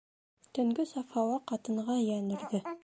Төнгө саф һауа ҡатынға йән өрҙө.